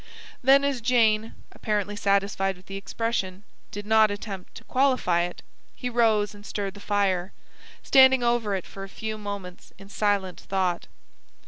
Then, as Jane, apparently satisfied with the expression, did not attempt to qualify it, he rose and stirred the fire; standing over it for a few moments in silent thought.